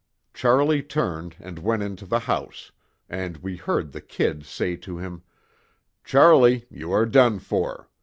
Charlie turned and went into the house, and we heard the 'Kid' say to him: 'Charlie, you are done for.